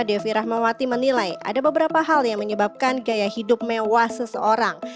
devi rahmawati menilai ada beberapa hal yang menyebabkan gaya hidup mewah seseorang